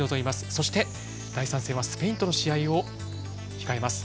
そして、第３戦はスペインとの試合を控えます。